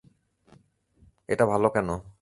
এটা ভালো কেন?